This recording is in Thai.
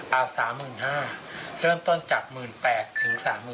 เอา๓๕๐๐๐บาทเริ่มต้นจาก๑๘๐๐๐บาทถึง๓๕๐๐๐บาท